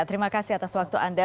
terima kasih atas waktu anda